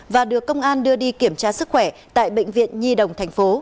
và được công an đưa đi kiểm tra sức khỏe tại bệnh viện nhi đồng tp